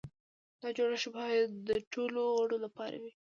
دا جوړښت باید د ټولو غړو لپاره وي.